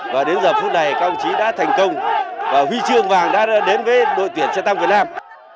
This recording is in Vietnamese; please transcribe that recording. và đến giờ phút này các ông chí đã thành công và huy chương vàng đã đến với đội tuyển xe tăng việt nam